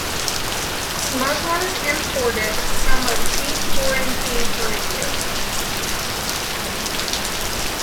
Smugglers imported some of cheap foreign tea per year.